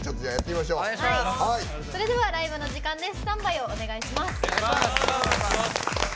それではライブのお時間です。